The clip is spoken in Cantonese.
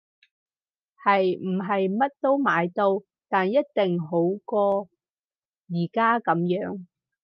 係！唔係乜都買到，但一定好過而家噉樣